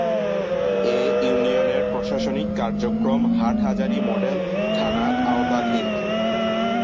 এ ইউনিয়নের প্রশাসনিক কার্যক্রম হাটহাজারী মডেল থানার আওতাধীন।